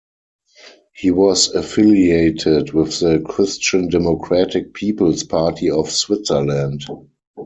He was affiliated with the Christian Democratic People's Party of Switzerland.